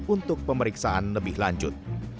untuk pemeriksaan lebih lanjut